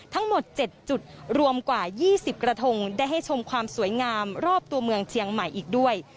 ทั้งหมด๗จุดรวมกว่า๒๐กระทงได้ให้ชมความสวยงามรอบตัวเมืองเชียงใหม่อีกด้วย